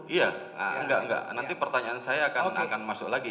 iya nggak nggak nanti pertanyaan saya akan masuk lagi